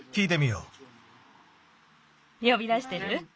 よび出してる？